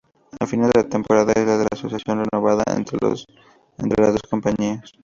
Al final de la temporada es de la asociación renovada entre las dos compañías.